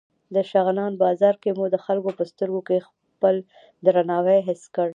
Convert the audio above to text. د شغنان بازار کې مو د خلکو په سترګو کې خپل درناوی حس کړ.